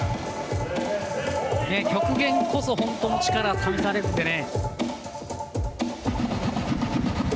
極限こそ本当の力が試されるんでね。